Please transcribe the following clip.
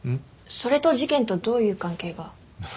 それと事件とどういう関係が？